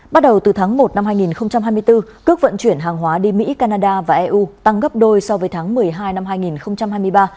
bắt đầu từ tháng một năm hai nghìn hai mươi bốn cước vận chuyển hàng hóa đi mỹ canada và eu tăng gấp đôi so với tháng một mươi hai năm hai nghìn hai mươi ba